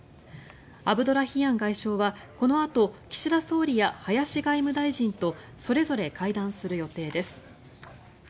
アブドラヒアン外相はこのあと、岸田総理や林外務大臣とそれぞれ会談する予定です。